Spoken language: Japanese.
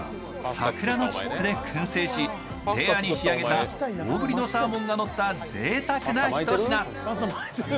桜のチップでくん製し、レアに仕上げた大ぶりのサーモンがのったぜいたくなひと品。